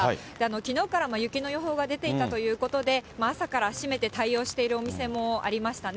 きのうから雪の予報が出ていたということで、朝から閉めて対応しているお店もありましたね。